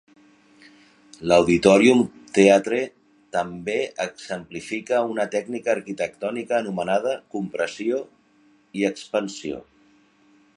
L'Auditorium Theatre també exemplifica una tècnica arquitectònica anomenada "compressió i expansió".